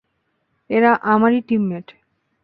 এরা আমারই টিমমেট।